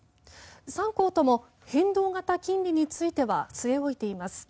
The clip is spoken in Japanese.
３行とも変動型金利については据え置いています。